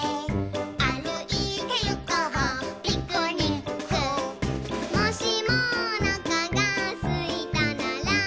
「あるいてゆこうピクニック」「もしもおなかがすいたなら」